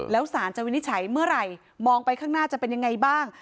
แล้วสารจะวินิจฉัยเมื่อไหร่มองไปข้างหน้าจะเป็นยังไงบ้าง